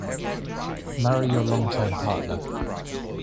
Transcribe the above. Marry your long-term partner.